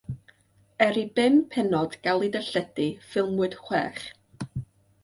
Er i bum pennod gael eu darlledu, ffilmiwyd chwech.